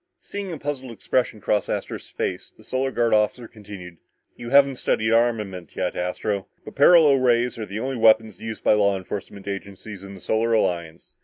Seeing a puzzled expression cross Astro's face, the Solar Guard officer continued, "You haven't studied armament yet, Astro, but paralo rays are the only weapons used by law enforcement agencies in the Solar Alliance.